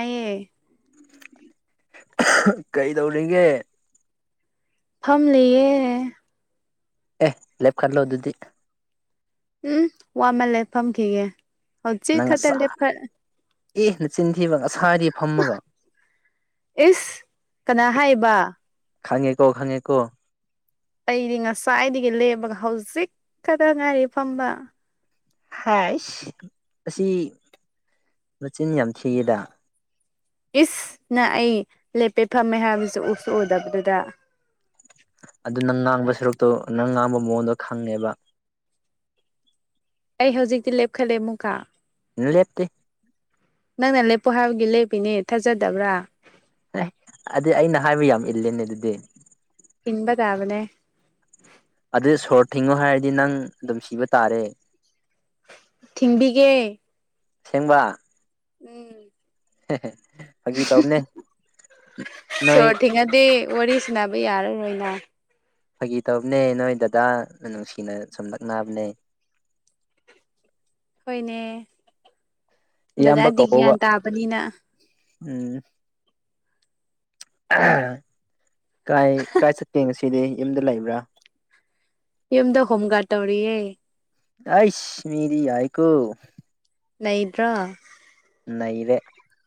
ꯑꯩ ꯀꯩꯗꯧꯔꯤꯒꯦ ꯐꯝꯂꯤꯌꯦ ꯑꯦ ꯂꯦꯞꯈꯠꯂꯣ ꯑꯗꯨꯗꯤ ꯎꯝ ꯋꯥꯃꯜꯂꯦ ꯐꯝꯈꯤꯒꯦ ꯍꯧꯖꯤꯛ ꯅꯪ ꯈꯛꯇ ꯉꯁꯥꯢ ꯂꯦꯞꯈꯠ ꯗꯒꯤ ꯅꯆꯤꯟ ꯊꯤꯕ ꯉꯁꯥꯥꯢꯗꯒꯤ ꯐꯝꯃꯒ ꯏꯁ ꯀꯅꯥ ꯍꯥꯏꯕ ꯈꯪꯉꯦꯀꯣ ꯈꯪꯉꯦꯀꯣ ꯑꯩꯗꯤ ꯉꯁꯥꯏꯗꯒꯤ ꯂꯦꯞꯄꯒ ꯍꯧꯖꯤꯛ ꯈꯛꯇ ꯉꯥꯏꯔꯤ ꯐꯝꯕ ꯍꯥꯏꯁ ꯑꯁꯤ ꯃꯆꯤꯟ ꯌꯥꯝ ꯊꯤꯌꯦꯗ ꯏꯁ ꯅꯪ ꯑꯩ ꯂꯦꯞꯄꯦ ꯐꯝꯃꯦ ꯍꯥꯏꯕꯁꯨ ꯎꯁꯨ ꯎꯗꯕꯗꯨꯗ ꯑꯗꯨ ꯅꯪ ꯉꯥꯡꯕ ꯁꯔꯨꯛꯇꯣ ꯅꯪ ꯉꯥꯡꯕ ꯃꯑꯣꯟꯗꯣ ꯈꯪꯉꯦꯕ ꯑꯩ ꯍꯧꯖꯤꯛꯇꯤ ꯂꯦꯞꯈꯠꯂꯦ ꯑꯃꯨꯛꯀꯥ ꯂꯦꯞꯇꯦ ꯅꯪꯅ ꯂꯦꯞꯄꯣ ꯍꯥꯏꯕꯒꯤ ꯂꯦꯞꯄꯤꯅꯦ ꯊꯥꯖꯗꯕ꯭ꯔꯕꯥ ꯑꯦ ꯑꯗꯨꯗꯤ ꯑꯩꯅ ꯍꯥꯏꯕ ꯌꯥꯝ ꯏꯜꯜꯂ‌ꯦꯅꯦ ꯑꯗꯨꯗꯤ ꯏꯟꯕꯇꯥꯕꯅꯦ ꯑꯗꯨꯗꯤ ꯁꯣꯔ ꯊꯤꯡꯉꯣ ꯍꯥꯏꯔꯗꯤ ꯅꯪ ꯑꯗꯨꯝ ꯁꯤꯕ ꯇꯥꯔꯦ ꯊꯤꯡꯕꯤꯒꯦ ꯑꯁ‌ꯦꯡꯕꯥ ꯎꯝ ꯍꯦ ꯍꯦ ꯅꯣꯏ ꯁꯣꯔ ꯊꯤꯡꯉꯗꯤ ꯋꯥꯔꯤ ꯁꯅꯥꯕ ꯌꯥꯔꯔꯣꯏꯅ ꯐꯥꯒꯤ ꯇꯧꯕꯅꯦ ꯅꯣꯏ ꯗꯗꯥ ꯅꯨꯡꯁꯤꯅ ꯁꯨꯝ ꯂꯛꯅꯕꯅꯦ ꯍꯣꯏꯅꯦ ꯏꯌꯥꯝꯕ ꯗꯗꯥꯗꯤ ꯀꯧꯑꫭꯕ ꯒ꯭ꯌꯥꯟ ꯇꯥꯕꯅꯤꯅ ꯎꯝ ꯀꯥꯏ ꯀꯥꯏ ꯆꯠꯀꯦ ꯉꯁꯤꯗꯤ ꯌꯨꯝꯗ ꯂꯩꯕ꯭ꯔꯥ ꯌꯨꯝꯗ ꯍꯣꯝ ꯒꯥꯔꯗ ꯇꯧꯔꯤꯌꯦ ꯑꯥꯏꯁ ꯃꯤꯗꯤ ꯌꯥꯏꯀꯣ ꯅꯩꯗ꯭ꯔꯣ ꯅꯩꯔꯦ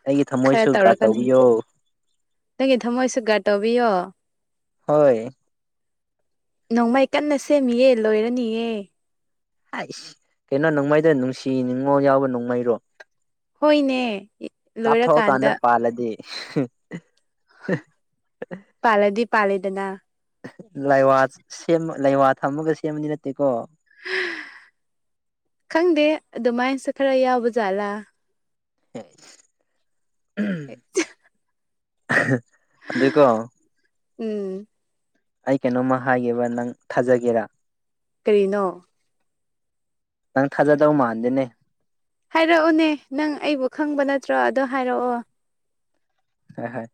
ꯑꯩꯒꯤ ꯈꯔ ꯊꯃꯣꯏꯁꯨ ꯒꯥꯔꯠ ꯇꯧꯔꯛꯀꯅꯤ ꯇꯧꯕꯤꯌꯣ ꯅꯪꯒꯤ ꯊꯝꯃꯣꯏꯁꯨ ꯒꯥꯔꯠ ꯇꯧꯕꯤꯌꯣ ꯍꯣꯏ ꯅꯣꯡꯃꯩ ꯀꯟꯅ ꯁꯦꯝꯃꯤꯌꯦ ꯂꯣꯏꯔꯅꯤꯌꯦ ꯑꯥꯏꯁ ꯀꯩꯅꯣ ꯅꯣꯡꯃꯩꯗ ꯅꯨꯡꯁꯤ ꯅꯤꯉꯣꯜ ꯌꯥꯎꯕ ꯅꯣꯡꯃꯩꯔꯣ ꯍꯣꯏꯅꯦ ꯀꯥꯞꯊꯣꯛꯑ ꯀꯥꯟꯗ ꯂꯣꯏꯔꯀꯥꯟꯗ ꯄꯥꯜꯂꯗꯤ ꯄꯥꯜꯂꯗꯤ ꯄꯥꯂꯦꯗꯅ ꯂꯥꯏꯋꯥ ꯁꯦꯝꯃ ꯂꯥꯏꯋꯥ ꯊꯝꯃꯒ ꯁꯦꯝꯕꯗꯤ ꯅꯠꯇꯦꯀꯣ ꯈꯪꯗꯦ ꯑꯗꯨꯃꯥꯏꯅꯁꯨ ꯈꯔ ꯌꯥꯎꯕ ꯖꯥꯠꯂꯥ [inaudible] [inaudible] ꯑꯗꯨꯀꯣ ꯎꯝ ꯑꯩ ꯀꯩꯅꯣꯝꯃ ꯍꯥꯏꯒꯦꯕ ꯅꯪ ꯊꯥꯖꯒꯦꯔꯥ ꯀꯔꯤꯅꯣ ꯅꯪ ꯊꯥꯖꯗꯧ ꯃꯥꯥꯟꯗꯦꯅꯦ ꯍꯥꯏꯔꯛꯎꯅꯦ ꯅꯪ ꯑꯩꯕꯨ ꯈꯪꯕ ꯅꯠꯇ꯭ꯔꯣ ꯑꯗꯣ ꯍꯥꯏꯔꯛꯑꯣ ꯍꯣꯏ ꯍꯣꯏ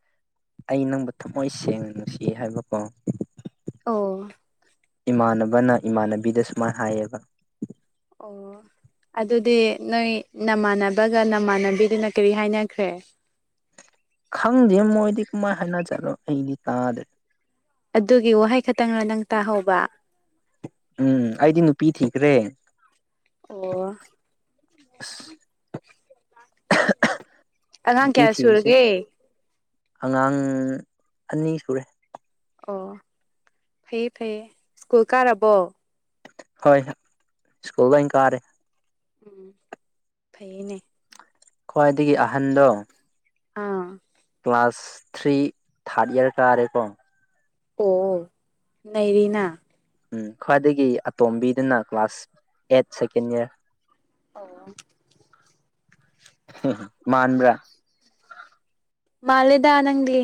ꯑꯩ ꯅꯪꯕꯨ ꯊꯃꯣꯏ ꯁꯦꯡꯅ ꯅꯨꯡꯁꯤ ꯍꯥꯏꯕꯀꯣ ꯑꯣ ꯏꯃꯥꯟꯅꯕꯅ ꯏꯃꯥꯟꯅꯕꯤꯗ ꯁꯨꯃꯥꯏꯅ ꯍꯥꯏꯌꯦꯕ ꯑꯣ ꯑꯗꯨꯗꯤ ꯅꯣꯏ ꯅꯃꯥꯟꯅꯕꯒ ꯅꯃꯥꯟꯅꯕꯤꯗꯨꯅ ꯀꯔꯤ ꯍꯥꯏꯅꯈ꯭ꯔꯦ ꯈꯪꯗꯦ ꯃꯣꯏꯗꯤ ꯀꯃꯥꯏ ꯍꯥꯏꯅ ꯖꯥꯠꯂꯣ ꯑꯩꯗꯤ ꯇꯥꯗ꯭ꯔꯦ ꯑꯗꯨꯒꯤ ꯋꯥꯍꯩ ꯈꯇꯪꯅ ꯅꯪ ꯇꯥꯍꯧꯕ ꯎꯝ ꯑꯩꯗꯤ ꯅꯨꯄꯤ ꯊꯤꯈ꯭ꯔꯦ ꯑꯣ ꯑꯁ ꯑꯉꯥꯡ ꯅꯨꯄꯤ ꯀꯌꯥ ꯊꯤꯔꯤꯁꯦ ꯁꯨꯔꯒꯦ ꯑꯉꯥꯡ ꯑꯅꯤ ꯁꯨꯔꯦ ꯑꯣ ꯐꯩꯌꯦ ꯐꯩꯌꯦ ꯁ꯭ꯀꯨꯜ ꯀꯥꯔꯕꯣ ꯍꯣꯏ ꯁ꯭ꯀꯨꯜ ꯂꯣꯏꯟ ꯀꯥꯔꯦ ꯎꯝ ꯐꯩꯌꯦꯅꯦ ꯈ꯭ꯋꯥꯏꯗꯒꯤ ꯑꯍꯟꯗꯣ ꯑꯥ ꯀ꯭ꯂꯥꯁ ꯊ꯭ꯔꯤ ꯊꯥꯔꯠ ꯏꯌꯥꯔ ꯀꯥꯔꯦꯀꯣ ꯑꯣ ꯅꯩꯔꯤꯅꯥ ꯎꯝ ꯈ꯭ꯋꯥꯏꯗꯒꯤ ꯑꯇꯣꯝꯕꯤꯗꯨꯅ ꯀ꯭ꯂꯥꯁ ꯑꯦꯠ ꯁꯦꯀꯦꯟ ꯏꯌꯥꯔ ꯑꯣ ꯃꯥꯟꯕ꯭ꯔꯥ ꯃꯥꯜꯂꯦꯗ ꯅꯪꯗꯤ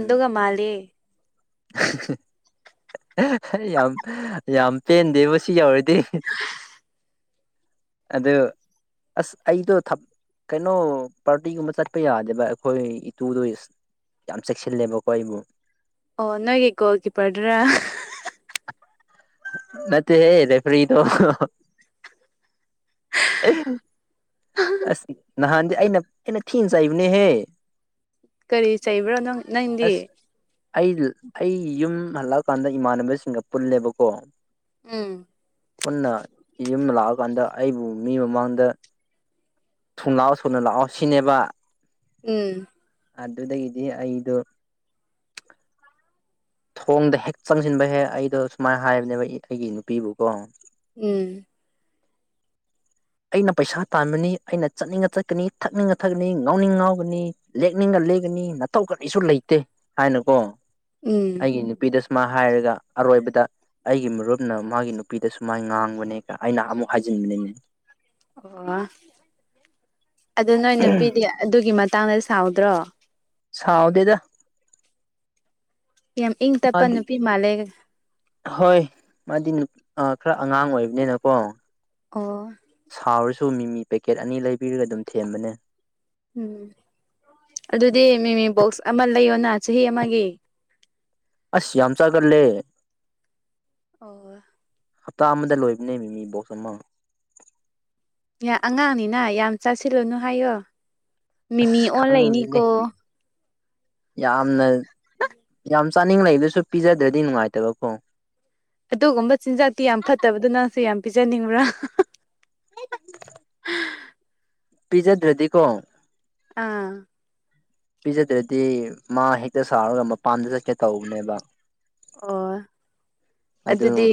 ꯎꯝ ꯃꯥꯂꯦ [inaudible] ꯌꯥꯝ ꯌꯥꯝ ꯄꯦꯟꯗꯦꯕꯨ ꯁꯤ ꯌꯧꯔꯗꯤ ꯑꯗꯣ ꯑꯁ ꯑꯩꯗꯣ ꯊꯥ ꯀꯩꯅꯣ ꯄꯥꯔꯇꯤꯒꯨꯝꯕ ꯆꯠꯄ ꯌꯥꯗꯦꯕ ꯑꯩꯈꯣꯏ ꯏꯇꯨꯗꯣ ꯏꯁ ꯌꯥꯝ ꯆꯦꯛꯁꯤꯜꯂꯦꯕꯀꯣ ꯑꯩꯕꯨ ꯑꯣ ꯅꯣꯏꯒꯤ ꯒꯣꯜ ꯀꯤꯄꯔꯗꯨꯔꯥ ꯅꯠꯇꯦꯍꯦ ꯔꯦꯐ꯭ꯔꯤꯗꯣ ꯑ [unintelligible] ꯑꯁ ꯅꯍꯥꯟꯗꯤ ꯑꯩꯅ ꯑꯩꯅ ꯊꯤꯅꯥ ꯆ ꯩꯕꯅꯦꯍꯦ ꯀꯔꯤ ꯆꯩꯕ꯭ꯔꯥ ꯅꯪ ꯅꯪꯗꯤ ꯑꯁ ꯑꯩ ꯑꯩ ꯌꯨꯝ ꯍꯜꯂꯛꯑꯀꯥꯟꯗ ꯏꯃꯥꯟꯅꯕꯁꯤꯡꯒ ꯄꯨꯜꯂꯦꯕꯀꯣ ꯎꯝ ꯄꯨꯟꯅ ꯌꯨꯝ ꯂꯥꯛꯑꯀꯥꯟꯗ ꯑꯩꯕꯨ ꯃꯤ ꯃꯃꯥꯡꯗ ꯊꯨꯅ ꯂꯥꯛꯑꯣ ꯊꯨꯅ ꯂꯥꯛꯑꯣ ꯁꯤꯅꯦꯕ ꯎꯝ ꯑꯗꯨꯗꯩꯗꯤ ꯑꯩꯗꯣ ꯊꯣꯡꯗ ꯍꯦꯛ ꯆꯪꯁꯤꯟꯕ ꯍꯦꯛ ꯑꯩꯗꯣ ꯁꯨꯃꯥꯏꯅ ꯍꯥꯏꯕꯅꯦꯕ ꯑꯩꯒꯤ ꯅꯨꯄꯤꯕꯨꯀꯣ ꯎꯝ ꯑꯩꯅ ꯄꯩꯁꯥ ꯇꯥꯟꯕꯅꯤ ꯑꯩꯅ ꯆꯠꯅꯤꯡꯉ ꯆꯠꯀꯅꯤ ꯊꯛꯅꯤꯡꯉ ꯊꯛꯀꯅꯤ ꯉꯥꯎꯅꯤꯡ ꯉꯥꯎꯒꯅꯤ ꯂꯦꯛꯅꯤꯡꯉ ꯂꯦꯛꯀꯅꯤ ꯅꯠꯇꯧ ꯀꯔꯤꯁꯨ ꯂꯩꯇꯦ ꯍꯥꯏꯅꯀꯣ ꯎꯝ ꯑꯩꯒꯤ ꯅꯨꯄꯤꯗ ꯁꯨꯃꯢ ꯍꯥꯏꯔꯒ ꯑꯔꯣꯏꯕꯗ ꯑꯩꯒꯤ ꯃꯔꯨꯞꯅ ꯃꯥꯒꯤ ꯅꯨꯄꯤꯗ ꯁꯨꯃꯥꯏ ꯉꯥꯡꯕꯅꯦ ꯑꯩꯅ ꯑꯃꯨꯛ ꯍꯥꯏꯖꯤꯟꯕꯅꯤ ꯑꯣ ꯑꯗꯨ ꯅꯣꯏ ꯅꯨꯄꯤꯗꯤ ꯑꯗꯨꯒꯤ ꯃꯇꯥꯡꯗ ꯁꯥꯎꯗ꯭ꯔꯣ ꯁꯥꯎꯗꯦꯗ ꯌꯥꯝ ꯏꯪ ꯇꯞꯄ ꯃꯥꯗꯤ ꯅꯨꯄꯤ ꯃꯥꯜꯂꯦ ꯍꯣꯏ ꯃꯥꯗꯤ ꯈꯔ ꯑꯉꯥꯡ ꯑꯣꯏꯕꯅꯤꯅꯀꯣ ꯑꯣ ꯁꯥꯎꯔꯁꯨ ꯃꯤꯃꯤ ꯄꯦꯀꯦꯠ ꯑꯅꯤ ꯂꯩꯕꯤꯔꯒ ꯑꯗꯨꯝ ꯊꯦꯝꯕꯅꯦ ꯎꯝ ꯑꯗꯨꯗꯤ ꯃꯤꯃꯤ ꯕꯣꯛꯁ ꯑꯃ ꯂꯩꯌꯣꯅ ꯆꯍꯤ ꯑꯃꯒꯤ ꯑꯁ ꯌꯥꯝ ꯆꯥꯒꯂꯦ ꯑꯣ ꯍꯞꯇꯥ ꯑꯃꯗ ꯂꯣꯏꯕꯅꯦ ꯃꯤ ꯃꯤ ꯕꯣꯛꯁ ꯑꯃ ꯑꯉꯥꯡꯅꯤꯅ ꯌꯥꯝ ꯆꯥꯁꯤꯜꯂꯨꯅꯨ ꯍꯥꯏꯌꯣ ꯑꯁ ꯃꯤꯃꯤ ꯑꯣꯟ ꯈꯪꯗꯦꯅꯦ ꯂꯩꯅꯤꯀꯣ ꯌꯥꯝꯅ ꯌꯥꯝ ꯆꯥꯅꯤꯡ ꯂꯩꯗꯨꯁꯨ ꯄꯤꯖꯗ꯭ꯔꯗꯤ ꯅꯨꯡꯉꯥꯏꯇꯕꯀꯣ ꯑꯗꯨꯒꯨꯝꯕ ꯆꯤꯟꯖꯥꯛꯇꯤ ꯌꯥꯝ ꯐꯠꯇꯕꯗꯨ ꯅꯪꯁꯨ ꯌꯥꯝ ꯄꯤꯖꯅꯤꯡꯕ꯭ꯔꯥ ꯇ [unintelligible] ꯄꯤꯖꯗ꯭ꯔꯗꯤꯀꯣ ꯑꯥ ꯄꯤꯖꯗ꯭ꯔꯗꯤ ꯃꯥ ꯍꯦꯛꯇ ꯁꯥꯎꯔꯒ ꯃꯄꯥꯝꯗ ꯆꯠꯀꯦ ꯇꯧꯕꯅꯦꯕ ꯑꯣ ꯑꯗꯨ ꯑꯗꯨꯗꯤ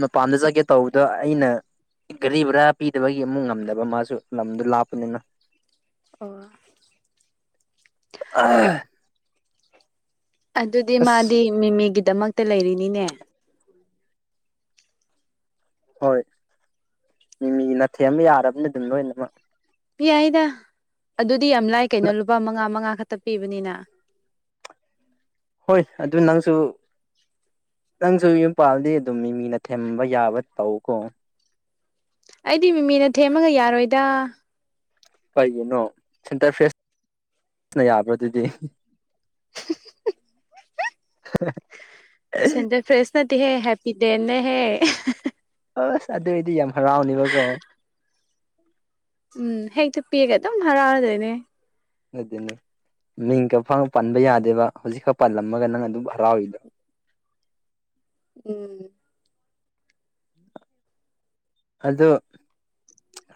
ꯃꯄꯥꯟꯗ ꯆꯠꯀꯦ ꯇꯧꯕꯗꯣ ꯑꯩꯅ ꯒꯥꯔꯤ ꯕꯔꯥ ꯄꯤꯗꯕꯒꯤ ꯑꯃꯨꯛ ꯉꯝꯗꯕ ꯃꯥꯁꯨ ꯂꯝꯗꯨ ꯂꯥꯞꯄꯅꯤꯅ ꯑꯣ [inaudible] ꯑꯗꯨꯗꯤ ꯑꯁ ꯃꯥꯗꯤ ꯃꯤꯃꯤꯒꯤꯗꯃꯛꯇ ꯂꯩꯔꯤꯅꯤꯅꯦ ꯍꯣꯏ ꯃꯤꯃꯤꯅꯥ ꯊꯦꯝꯕ ꯌꯥꯔꯕꯅꯤ ꯑꯗꯨꯝ ꯂꯣꯏꯅꯃꯛ ꯄꯤ ꯌꯥꯏꯗ ꯑꯗꯨꯗꯤ ꯌꯥꯝ ꯂꯥꯏ ꯀꯩꯅꯣ ꯂꯨꯄꯥ ꯃꯉꯥ ꯃꯉꯥ ꯈꯛꯇ ꯄꯤꯕꯅꯤꯅ ꯍꯣꯏ ꯑꯗꯨ ꯅꯪꯁꯨ ꯅꯪꯁꯨ ꯌꯨꯝꯄꯥꯜꯂꯗꯤ ꯑꯗꯨꯝ ꯃꯤ ꯃꯤꯅ ꯊꯦꯝꯕ ꯌꯥꯕ ꯇꯧ ꯀꯣ ꯑꯩꯗꯤ ꯃꯤꯃꯤꯅ ꯊꯦꯝꯃꯒ ꯌꯥꯔꯣꯏꯗ ꯀꯩꯒꯤꯅꯣ ꯁꯦꯟꯇꯔ ꯐ꯭ꯔꯦꯁꯅ ꯌꯥꯕ꯭ꯔꯥ ꯑꯗꯨꯗꯤ [inaudible] ꯁꯦꯟꯇꯔ ꯐ꯭ꯔꯦꯁ ꯅꯠꯇꯦꯍꯦ ꯍꯦꯄꯤ ꯗꯦꯟꯅꯦꯍꯦ ꯑꯁ ꯑꯗꯨꯑꯣꯏꯗꯤ ꯌꯥꯝ ꯍꯔꯥꯎꯅꯦꯕꯀꯣ ꯎꯝ ꯍꯦꯛꯇ ꯄꯤꯔꯒ ꯑꯗꯨꯝ ꯍꯔꯥꯎꯔꯗꯣꯏꯅꯦ ꯑꯗꯨꯅꯦ ꯃꯤꯡꯒ ꯐꯥꯎ ꯄꯟꯕ ꯌꯥꯗꯦꯕ ꯍꯧꯖꯤꯛꯈꯛ ꯄꯜꯂꯝꯃꯒ ꯅꯪ ꯑꯗꯨꯝ ꯍꯔꯥꯎꯏꯗꯣ ꯎꯝ꯫ ꯑꯗꯣ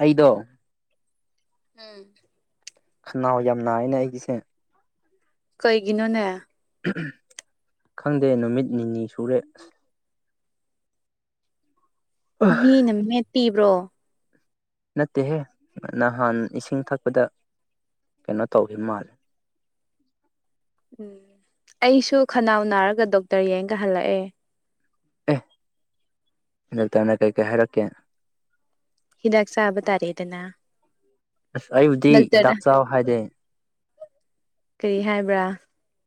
ꯑꯩꯗꯣ ꯎꯝ꯫ ꯈꯅꯥꯎ ꯌꯥꯝ ꯅꯥꯏꯅ ꯑꯩꯒꯤꯁꯦ ꯀꯩꯒꯤꯅꯣꯅꯦ ꯈꯪꯗꯦ ꯅꯨꯃꯤꯠ ꯅꯤꯅꯤ ꯁꯨꯔꯦ ꯑꯁ ꯑꯁ ꯃꯤꯅ ꯃꯦꯠꯄꯤꯕ꯭ꯔꯣ꯫ ꯅꯠꯇꯦꯍꯦ ꯅꯍꯥꯟ ꯏꯁꯤꯡ ꯊꯛꯄꯗ ꯀꯩꯅꯣ ꯇꯧꯈꯤꯕ ꯃꯥꯜꯂꯦ꯫ ꯎꯝ ꯑꯩꯁꯨ ꯈꯅꯥꯎ ꯅꯥꯔꯒ ꯗꯣꯛꯇꯔ ꯌꯦꯡꯒ ꯍꯜꯂꯛꯑꯦ ꯑꯦ ꯗꯣꯛꯇꯔꯅ ꯀꯩ ꯀꯩ ꯍꯥꯏꯔꯛꯀꯦ ꯍꯤꯗꯥꯛ ꯆꯥꯕ ꯇꯥꯔꯦꯗꯅ ꯑꯁ ꯑꯩꯕꯨꯗꯤ ꯗꯥꯛꯇꯔꯗ ꯍꯤꯗꯥꯛ ꯆꯥꯎ ꯍꯥꯏꯗꯦ ꯀꯔꯤ ꯍꯥꯏꯕ꯭ꯔꯥ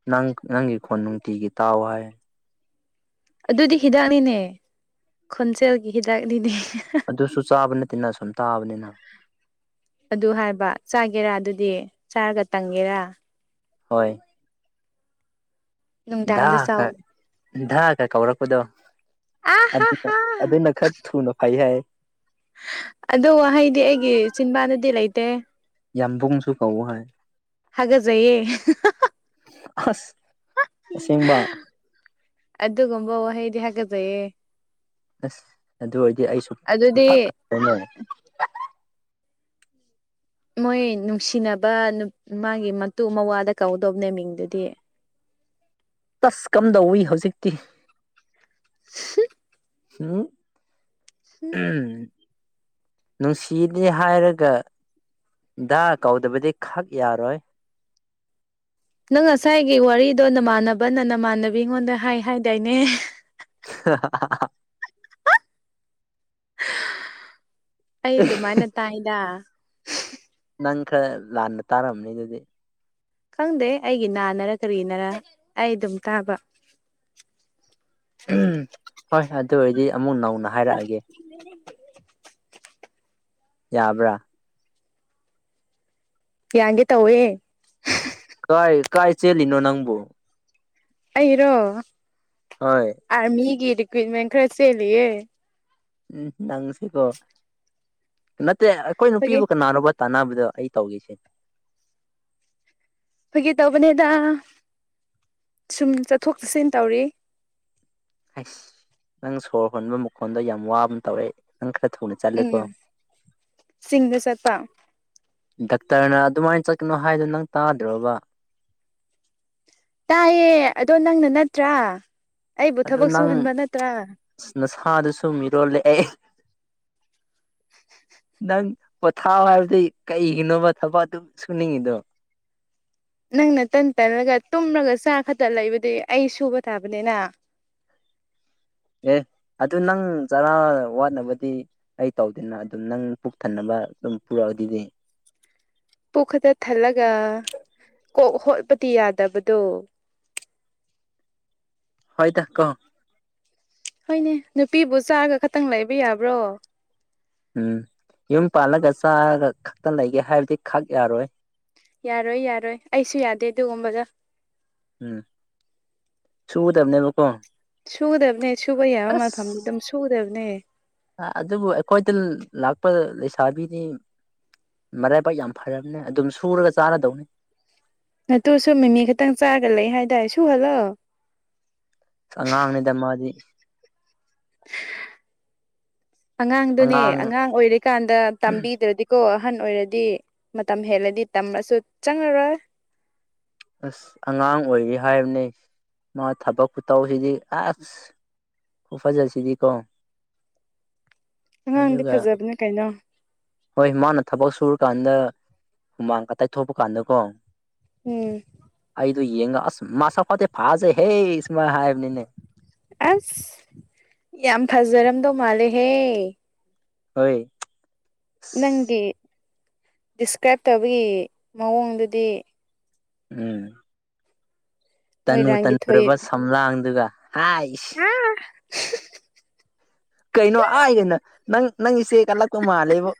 ꯅꯪ ꯅꯪꯒꯤ ꯈꯣꯟ ꯅꯨꯡꯇꯤꯒꯤ ꯇꯥꯎ ꯍꯥꯏ ꯑꯗꯨꯗꯤ ꯍꯤꯗꯥꯛꯅꯤꯅꯦ ꯈꯣꯟꯖꯦꯜꯒꯤ ꯍꯤꯗꯥꯛꯅꯤꯅꯦ ꯑꯗꯨꯁꯨ ꯆꯥꯕ ꯅꯠꯇꯦꯅ ꯁꯨꯝ ꯇꯥꯕꯅꯤꯅ ꯑꯗꯨ ꯍꯥꯏꯕ ꯆꯥꯒꯦꯔꯥ ꯑꯗꯨꯗꯤ ꯆꯥꯔꯒ ꯇꯪꯒꯦꯔꯥ ꯍꯣꯏ ꯗꯥ ꯅꯨꯡꯗꯥꯡꯗ ꯆꯥꯎ ꯈꯠ ꯗꯥꯒ ꯀꯧꯔꯛꯄꯗꯣ ꯑꯥ ꯍꯥ ꯑꯗꯨꯅ ꯍꯥ ꯑꯗꯨꯅ ꯈꯔ ꯊꯨꯅ ꯐꯩ ꯍꯥꯏ ꯑꯗꯨ ꯋꯥꯍꯩꯗꯤ ꯑꯩꯒꯤ ꯆꯤꯟꯕꯥꯟꯗꯗꯤ ꯂꯩꯇꯦ꯫ ꯌꯥꯝꯕꯨꯡꯁꯨ ꯀꯧ ꯍꯥꯏ ꯍꯥꯒꯖꯩꯌꯦ ꯑꯁ ꯑꯁꯦꯡꯕ ꯑꯗꯨꯒꯨꯝꯕ ꯋꯥ ꯍꯩꯗꯤ ꯍꯥꯒꯖꯩꯌꯦ ꯑꯁ ꯑꯗꯨ ꯑꯣꯏꯔꯗꯤ ꯑꯩꯁꯨ ꯁꯨꯝ ꯑꯗꯨꯗꯤ ꯐꯠ ꯐꯠꯂꫭꯏꯅꯦ꯫ ꯃꯣꯏ ꯅꯨꯡꯁꯤꯅꯕ ꯅꯨ ꯃꯥꯒꯤ ꯃꯇꯨ ꯃꯋꯥꯗ ꯀꯧꯗꯧꯅꯦ ꯃꯤꯡꯗꯨꯗꯤ ꯇꯁ ꯀꯝꯗꯧꯋꯤ ꯍꯧꯖꯤꯛꯇꯤ ꯍꯝ ꯎꯝ ꯅꯨꯡꯁꯤꯗꯤ ꯍꯥꯏꯔꯒ ꯗꯥ ꯀꯧꯗꯕꯗꯤ ꯈꯛ ꯌꯥꯔꯣꯏ꯫ ꯅꯪ ꯉꯁꯥꯏꯒꯤ ꯋꯥꯔꯤꯗꯣ ꯅꯃꯥꯟꯅꯕꯅ ꯅꯃꯥꯟꯅꯕꯤ ꯑꯩꯉꯣꯟꯗ ꯍꯥꯏ ꯍꯥꯏꯗꯥꯏꯅꯦ [inaudible] ꯑꯩ ꯑꯗꯨꯃꯥꯏꯅ ꯇꯥꯏꯗ ꯅꯪ ꯈꯔ ꯂꯥꯟꯅ ꯇꯥꯔꯝꯅꯤ ꯑꯗꯨꯗꯤ ꯈꯪꯗꯦꯍꯦ ꯑꯩꯒꯤ ꯅꯥꯅꯔ ꯀꯔꯤꯅꯔ ꯑꯩ ꯑꯗꯨꯝ ꯇꯥꯕ ꯎꯝ ꯍꯣꯏ ꯑꯗꯨ ꯑꯣꯏꯔꯗꯤ ꯑꯃꯨꯛ ꯅꯧ ꯅꯥ ꯍꯥꯏꯔꯛꯑꯒꯦ ꯌꯥꯕ꯭ꯔꯥ ꯌꯥꯟꯒꯦ ꯇꯧꯋꯦ ꯀꯥꯏ ꯀꯥꯏ ꯆꯦꯜꯂꯤꯅꯣ ꯅꯪꯕꯨ ꯑꯩꯔꯣ ꯍꯣꯏ ꯑꯥꯔꯃꯤꯒꯤ ꯔꯤꯀ꯭ꯋꯤꯞꯃꯦꯟ ꯈꯔ ꯆꯦꯂꯤꯌꯦ꯫ ꯎꯝ ꯅꯪꯁꯤꯀꯣ ꯅꯠꯇꯦ ꯑꯩꯈꯣꯏ ꯐꯒꯤ ꯅꯨꯄꯤꯕꯨ ꯀꯅꯥꯅꯣꯕ ꯇꯥꯟꯅꯕꯗꯣ ꯑꯩ ꯇꯧꯒ‌ꯦꯁꯦ ꯐꯥꯒꯤ ꯇꯧꯕꯅꯦꯗꯥ ꯁꯨꯝ ꯆꯠꯊꯣꯛ ꯆꯠꯁꯤꯟ ꯇꯧꯔꯤ ꯍꯩꯁ ꯅꯪ ꯁꯣꯔ ꯍꯣꯟꯕ ꯃꯈꯣꯟꯗꯣ ꯌꯥꯝ ꯋꯥꯕꯒꯨꯝ ꯇꯧꯋꯦ ꯅꯪ ꯈꯔ ꯊꯨꯅ ꯆꯠꯂꯦꯀꯣ ꯎꯝ ꯆꯤꯡꯗ ꯆꯠꯄꯥ ꯗꯥꯛꯇꯔꯅ ꯑꯗꯨꯃꯥꯏ ꯆꯠꯀꯅꯣ ꯍꯥꯏꯗꯣ ꯅꯪ ꯇꯥꯗ꯭ꯔꯣꯕꯥ ꯇꯥꯏꯌꯦ ꯑꯗꯣ ꯅꯪꯅ ꯅꯠꯇ꯭ꯔꯥ ꯑꯩꯕꯨ ꯊꯕꯛ ꯁꯨꯍꯟꯕ ꯅꯠꯇ꯭ꯔꯥ ꯅꯁꯥꯗꯁꯨ ꯃꯤꯔꯣꯜꯂꯦꯑꯦ ꯅꯪ ꯄꯣꯊꯥꯎ ꯍꯥꯏꯕꯗꯤ ꯀꯩꯒꯤꯅꯣꯕ ꯊꯕꯛꯗꯨꯝ ꯁꯨꯅꯤꯡꯉꯤꯗꯣ ꯅꯪꯅ ꯇꯟ ꯇꯜꯂꯒ ꯇꯨꯝꯔꯒ ꯆꯥ ꯈꯛꯇ ꯂꯩꯕꯗꯤ ꯑꯩ ꯁꯨꯕ ꯇꯥꯕꯅꯤꯅꯥ ꯑꯦ ꯑꯗꯨ ꯅꯪ ꯆꯥꯔꯥ ꯋꯥꯠꯅꯕꯗꯤ ꯑꯩ ꯇꯧꯗꯦꯅꯥ ꯑꯗꯨꯝ ꯅꯪ ꯄꯨꯛ ꯊꯟꯅꯕ ꯑꯗꯨꯝ ꯄꯨꯔꯛꯑ ꯗꯨꯗꯤ ꯄꯨꯛꯈꯠꯇꯥ ꯊꯜꯂꯒ ꯀꯣꯛ ꯍꯣꯠꯄꯗꯤ ꯌꯥꯗꯕꯗꯣ ꯍꯣꯏꯗ ꯀꯣ ꯍꯣꯏꯅꯦ ꯅꯨꯄꯤꯕꯨ ꯆꯥꯔꯒ ꯈꯇꯪ ꯂꯩꯕ ꯌꯥꯕ꯭ꯔꯣ ꯎꯝ ꯌꯨꯝ ꯄꯥꯜꯂꯒ ꯆꯥꯔꯥꯒ ꯈꯛꯇ ꯂꯩꯒꯦ ꯍꯥꯏꯕꯗꯤ ꯈꯛ ꯌꯥꯔꯣꯏ ꯌꯥꯔꯣꯏ ꯌꯥꯔꯣꯏ ꯑꯩꯁꯨ ꯌꯥꯗꯦ ꯑꯗꯨꯒꯨꯝꯕꯗ‌ ꯎꯝ ꯁꯨꯒꯗꯕꯅꯦꯕꯀꯣ ꯁꯨꯒꯗꯕꯥꯅꯦ ꯁꯨꯕ ꯌꯥꯕ ꯃꯐꯝ ꯑꯗꯨꯝ ꯁꯨꯒꯗꯕꯥꯅꯦ ꯑꯥ ꯑꯗꯨꯕꯨ ꯑꯩꯈꯣꯏꯗ ꯂ ꯂꯥꯛꯄ ꯂꯩꯁꯥꯕꯤꯖꯤꯡ ꯃꯔꯥꯏꯕꯥꯛ ꯌꯥꯝ ꯐꯔꯝꯅꯦ ꯑꯗꯨꯝ ꯁꯨꯔꯒ ꯆꯥꯔꯥꯗꯧꯅꯤ ꯅꯥꯇꯨ ꯁꯨ ꯃꯤꯃꯤ ꯈꯇꯪ ꯆꯥꯔꯒ ꯂꯩ ꯍꯥꯏꯗꯥꯏ ꯁꯨꯍꯜꯂꯣ ꯑꯉꯥꯡꯅꯤꯗ ꯃꯥꯗꯤ ꯑꯉꯥꯡꯗꯨꯅꯦ ꯑꯉꯥꯡ ꯑꯣꯏꯔꯤꯀꯥꯟꯗ ꯇꯥꯝꯕꯤꯗ꯭ꯔꯗꯤ ꯀꯣ ꯑꯍꯟ ꯑꯣꯏꯔꯗꯤ ꯃꯇꯝ ꯍꯦꯜꯂꯗꯤ ꯇꯝꯃꯁꯨ ꯆꯪꯉꯔꯣꯏ ꯑꯁ ꯑꯉꯥꯡ ꯑꯣꯏꯔꯤ ꯍꯥꯏꯕꯅꯤ ꯃꯥ ꯊꯕꯛ ꯈꯨꯇꯧꯁꯤꯗꯤ ꯑꯥꯖ ꯈꯨꯐꯖꯁꯤꯗꯤ ꯀꯣ ꯑꯉꯥꯡꯗꯤ ꯑꯗꯨꯒ ꯐꯖꯕꯅꯦ ꯀꯩꯅꯣ ꯍꯣꯏ ꯃꯥꯅ ꯊꯕꯛ ꯁꯨꯔꯀꯥꯟꯗ ꯍꯨꯃꯥꯡ ꯈꯇ ꯊꯣꯛꯄ ꯀꯥꯟꯗꯀꯣ ꯎꯝ ꯄꯤꯗ‌ꯣ ꯌꯦꯡꯒ ꯑꯁ ꯃꯥꯁꯛ ꯐꯗꯤ ꯐꯥꯖꯩꯍꯦ ꯁꯨꯃꯥꯏ ꯍꯥꯏꯕꯅꯤꯅꯦ ꯑꯁ ꯌꯥꯝ ꯐꯖꯔꯝꯗꯧ ꯃꯥꯜꯂꯦꯍꯦ ꯍꯣꯏ ꯅꯪꯒꯤ ꯗꯤꯁꯀ꯭ꯔꯥꯏꯞ ꯇꯧꯕꯒꯤ ꯃꯑꯣꯡꯗꯨꯗꯤ ꯎꯝ ꯇꯅꯨ ꯃꯣꯏꯔꯥꯡꯒꯤ ꯊꯣꯏ ꯇꯟꯅꯨꯔꯕ ꯁꯝꯂꯥꯡꯗꯨꯒ ꯍꯥꯏꯁ ꯑꯥ [unintelligible] ꯀꯩꯅꯣ ꯑꯥꯏ ꯑꯅ ꯅꯪ ꯅꯪꯒꯤꯁ‌ꯦ ꯀꯜꯂꯛꯄ ꯃꯥꯜꯂꯦꯕꯨ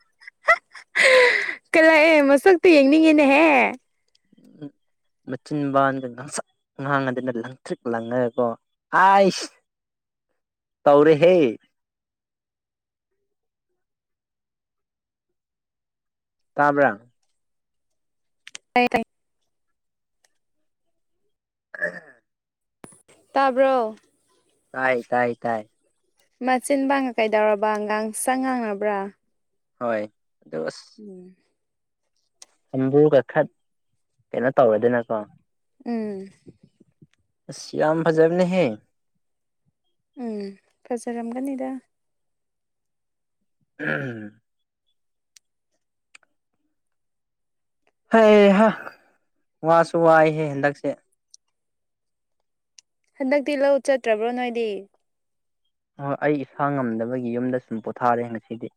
ꯀꯜꯂꯑꯦ ꯃꯁꯛꯇꯣ ꯌꯦꯡꯅꯤꯡꯉꯤꯅꯦꯍꯦ ꯎ ꯃꯆꯤꯟꯕꯥꯟꯒ ꯉꯥꯡꯁꯛ ꯉꯥꯡꯉꯗꯅ ꯂꯪꯇ꯭ꯔꯤꯛ ꯂꯪꯉꯀꯣ ꯍꯥꯢꯁ ꯇꯧꯔ‌ꯦ ꯍꯦ꯫ ꯇꯥꯕ꯭ꯔꯥ ꯇꯥꯌꯦ ꯇꯥꯌꯦ ꯎ [inaudible] ꯇꯥꯕ꯭ꯔꯣ? ꯇꯥꯏ-ꯇꯥꯏ-ꯇꯥꯏ꯫ ꯃꯆꯤꯟꯕꯥꯒ ꯀꯩꯗꯧꯔꯕ ꯑꯉꯥꯡꯁꯪ ꯉꯥꯡꯉꯕ꯭ꯔꯥ? ꯍꯣꯏ ꯑꯗꯣ ꯑꯁ ꯎꯝ꯫ ꯍꯝꯕ꯭ꯔꯨꯒ ꯀꯈꯠ ꯀꯩꯅꯣ ꯇꯧꯔꯗꯅꯀꯣ ꯎꯝ꯫ ꯢꯁ ꯌꯥꯝ ꯐꯖꯕꯅꯦꯍꯦ꯫ ꯎꯝ ꯐꯖꯔꯝꯒꯅꯤꯗ꯫ ꯎꯝ꯫ ꯍꯩ-ꯍꯥ ꯋꯥꯁꯨ ꯋꯥ ꯑꯩꯍꯦ ꯍꯟꯗꯛꯁꯦ꯫ ꯍꯟꯗꯛꯇꯤ ꯂꯧ ꯆꯠꯇ꯭ꯔꯕ꯭ꯔꯣ ꯅꯣꯏꯗꯤ? ꯑꯩ ꯏꯁꯥ ꯉꯝꯗꯕꯒꯤ ꯌꯨꯝꯗ ꯁꯨꯝ ꯄꯣꯊꯥꯔꯦ ꯉꯁꯤꯗꯤ꯫